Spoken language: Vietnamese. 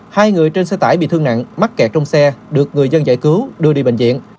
hai người trên xe tải bị thương nặng mắc kẹt trong xe được người dân giải cứu đưa đi bệnh viện